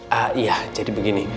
eee iya jadi begini